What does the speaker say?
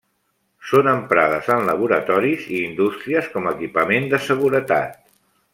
Són emprades en laboratoris i indústries com equipament de seguretat.